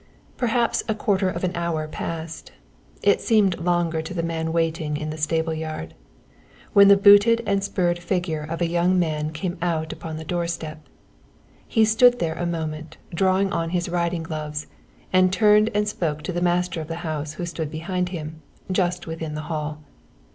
Perhaps a quarter of an hour passed it seemed longer to the man waiting in the stable yard when the booted and spurred figure of a young man came out upon the doorstep. He stood there a moment drawing on his riding gloves, and turned and spoke to the master of the house who stood behind him, just within the hall.